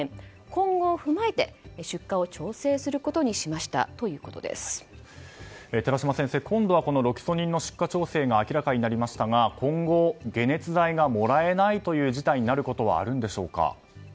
今後を踏まえて出荷を調整することにしました寺嶋先生今度はロキソニンの出荷調整が明らかになりましたが今後、解熱剤をもらえないという事態になることはあるんでしょうか。